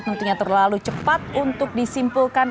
tentunya terlalu cepat untuk disimpulkan